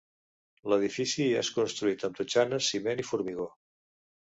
L'edifici és construït amb totxanes, ciment i formigó.